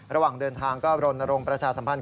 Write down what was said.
ระหว่างเดินทางก็รณรงค์ประชาสัมพันธ์